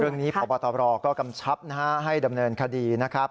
เรื่องนี้พปฎก็ทรัพย์ให้ดำเนินคดีนะครับ